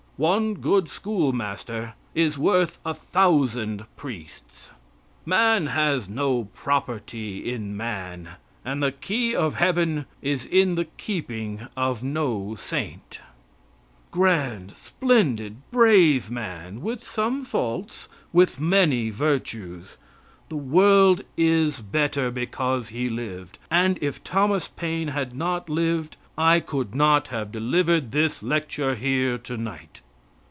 One good schoolmaster is worth a thousand priests. Man has no property in man, and the key of heaven is in the keeping of no saint." Grand, splendid, brave man! with some faults, with many virtues; the world is better because he lived; and if Thomas Paine had not lived I could not have delivered this lecture here tonight.